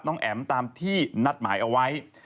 แอ๋มตามที่นัดหมายเอาไว้